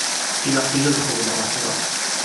Ilaq-iyi ad xedmeɣ kra.